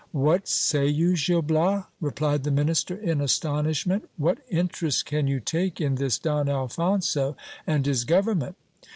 What say you, Gil Bias ? replied 416 GIL BLAS. the minister in astonishment : what interest can you take in this Don Alphonso and his government